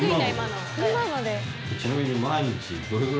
ちなみに。